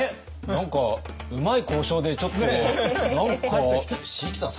何かうまい交渉でちょっと何か椎木さん